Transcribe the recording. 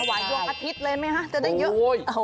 ถวายดวงอาทิตย์เลยมั้ยคะจะได้เยอะ